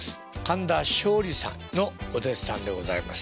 神田松鯉さんのお弟子さんでございます